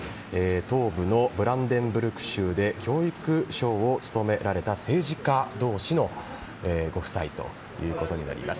東部のブランデンブルク州で教育相を務められた政治家同士のご夫妻ということです。